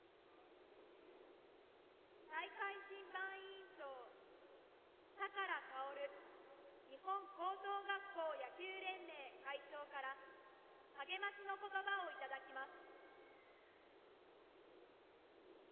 大会審判委員長、寶馨日本高等学校野球連盟会長から励ましの言葉をいただきます。